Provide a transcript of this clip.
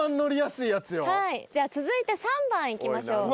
続いて３番いきましょう。